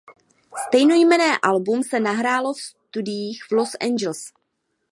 Stejnojmenné album se nahrávalo v studiích v Los Angeles.